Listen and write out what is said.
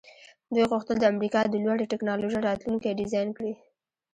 دوی غوښتل د امریکا د لوړې ټیکنالوژۍ راتلونکی ډیزاین کړي